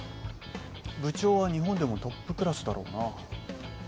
部長は日本でもトップクラスだろうな。